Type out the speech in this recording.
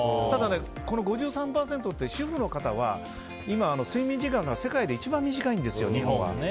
ただ、この５３％って主婦の方は今、睡眠時間が世界で一番短いんですよ、日本は。